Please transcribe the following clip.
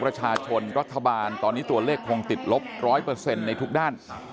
รัฐบาลตอนนี้ตัวเลขคงติดลบ๑๐๐ในทุกด้าน